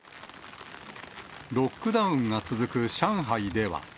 ロックダウンが続く上海では。